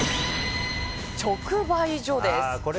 直売所です。